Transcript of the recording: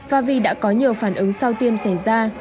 và vì đã có nhiều phản ứng sau tiêm xảy ra